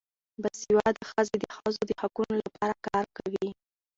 باسواده ښځې د ښځو د حقونو لپاره کار کوي.